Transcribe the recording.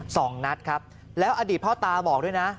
สองนัดครับแล้วอดีตพ่อตาบอกด้วยนะ